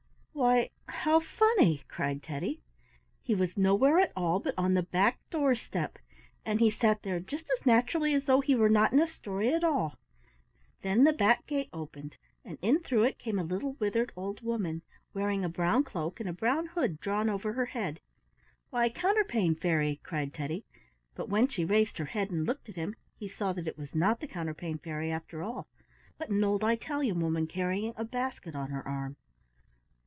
"Why, how funny!" cried Teddy. He was nowhere at all but on the back door step, and he sat there just as naturally as though he were not in a story at all. Then the back gate opened, and in through it came a little withered old woman, wearing a brown cloak, and a brown hood drawn over her head. "Why, Counterpane Fairy!" cried Teddy, but when she raised her head and looked at him he saw that it was not the Counterpane Fairy after all, but an old Italian woman carrying a basket on her arm.